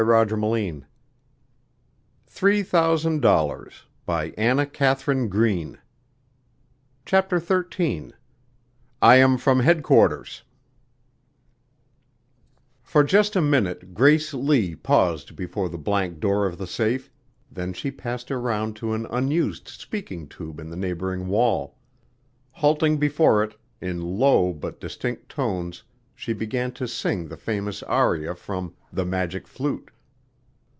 In a moment her secret would be out, and then CHAPTER XIII "I am from headquarters" For just a minute Grace Lee paused before the blank door of the safe, then she passed around to an unused speaking tube in the neighboring wall. Halting before it, in low but distinct tones she began to sing the famous aria from "The Magic Flute."